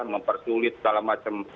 mempersulit segala macam